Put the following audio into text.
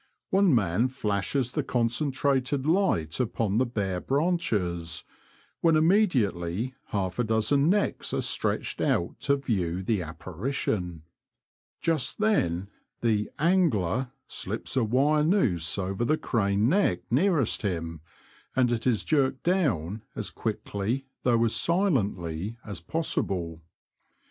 One man flashes the concen trated light upon the bare branches, when immediately half a dozen necks are stretched out to view the apparition. Just then the *' angler " slips a wire nooze over the craned neck nearest him, and it is jerked down as quickly, though as silently as possible.